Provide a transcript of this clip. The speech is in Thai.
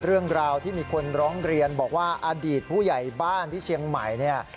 เรื่องราวที่มีคนร้องเรียนบอกว่าอดีตผู้ใหญ่บ้านที่เชียงใหม่เนี่ย